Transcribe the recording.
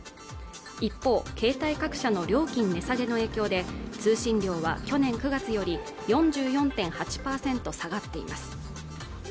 一方携帯各社の料金値下げの影響で通信量は去年９月より４４．８％下がっています